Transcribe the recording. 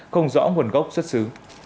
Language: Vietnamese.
không rõ nguồn gốc xuất xứ